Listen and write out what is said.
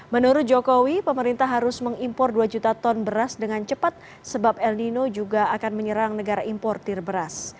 menurut jokowi pemerintah harus mengimpor dua juta ton beras dengan cepat sebab el nino juga akan menyerang negara importir beras